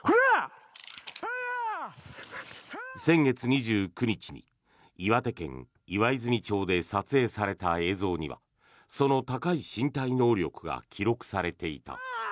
先月２９日に岩手県岩泉町で撮影された映像にはその高い身体能力が記録されていた。